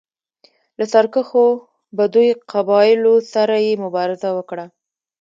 له سرکښو بدوي قبایلو سره یې مبارزه وکړه